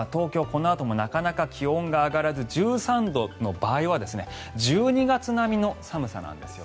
このあともなかなか気温が上がらず１３度の場合は１２月並みの寒さなんです。